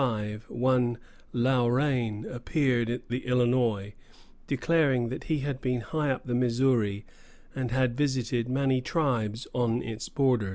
] and in 1705 one Laurain appeared at the Illinois, declaring that he had been high up the Missouri and had visited many tribes on its borders.